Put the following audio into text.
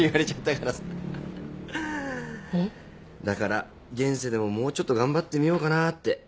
だから現世でももうちょっと頑張ってみようかなって。